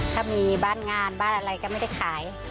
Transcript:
ถ้ามีบ้านงานบ้านอะไรก็ไม่ได้ขาย